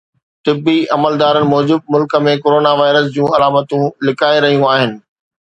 طبي عملدارن موجب ملڪ ۾ ڪورونا وائرس جون علامتون لڪائي رهيون آهن